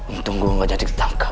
untung gue gak jadi ditangkap